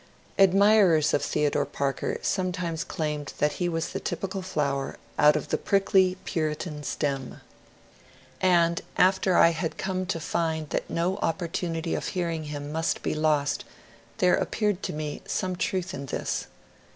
Admirers of Theodore Parker sometimes claimed that he was the typical flower out of the prickly Puritan stem. And after I had come to find that no opportunity of hearing him must be lost, there appeared to me some truth in this.